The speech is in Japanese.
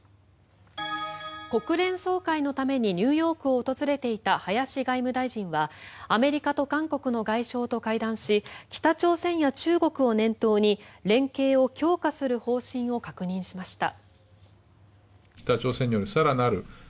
国連総会のためにニューヨークを訪れていた林外務大臣はアメリカと韓国の外相と会談し北朝鮮や中国を念頭に連携を強化する方針を確認しました。